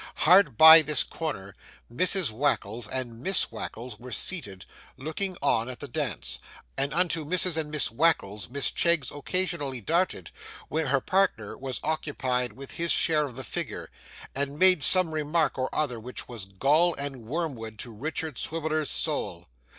Hard by this corner, Mrs Wackles and Miss Wackles were seated, looking on at the dance; and unto Mrs and Miss Wackles, Miss Cheggs occasionally darted when her partner was occupied with his share of the figure, and made some remark or other which was gall and wormwood to Richard Swiviller's soul.